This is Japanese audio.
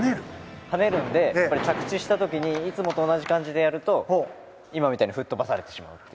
跳ねるので、着地した時にいつもと同じ感じでやると今みたいに吹っ飛ばされてしまうと。